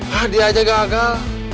hah dia aja gagal